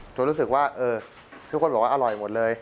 รู้สึกว่าทุกคนบอกว่าอร่อยหมดเลย